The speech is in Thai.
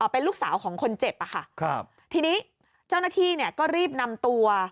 เป็นลูกสาวของคนเจ็บอะค่ะครับทีนี้เจ้าหน้าที่เนี่ยก็รีบนำตัว